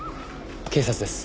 警察です。